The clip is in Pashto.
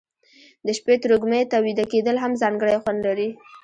د شپې تروږمي ته ویده کېدل هم ځانګړی خوند لري.